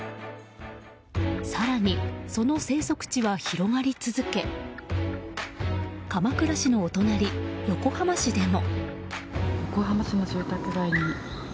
更に、その生息地は広がり続け鎌倉市のお隣、横浜市でも。